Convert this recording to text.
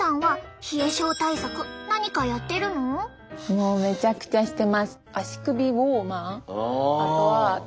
もうめちゃくちゃしてます。